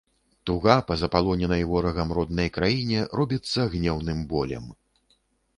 Туга па запалоненай ворагам роднай краіне робіцца гнеўным болем.